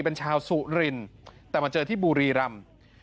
เป็นชาวสุรินแต่มาเจอที่บุรีรำ